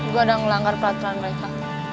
gue ada ngelanggar peraturan mereka